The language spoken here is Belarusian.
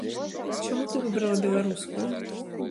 Чаму ты выбрала беларускую?